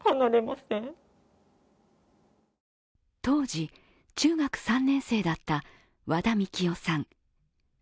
当時中学３年生だった和田樹生さん。